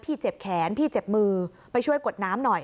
เจ็บแขนพี่เจ็บมือไปช่วยกดน้ำหน่อย